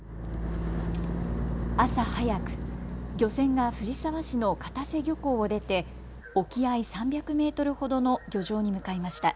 朝早く、漁船が藤沢市の片瀬漁港を出て沖合３００メートルほどの漁場に向かいました。